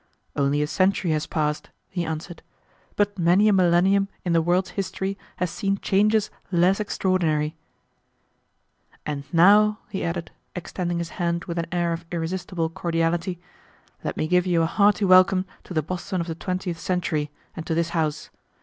"Only a century has passed," he answered, "but many a millennium in the world's history has seen changes less extraordinary." "And now," he added, extending his hand with an air of irresistible cordiality, "let me give you a hearty welcome to the Boston of the twentieth century and to this house.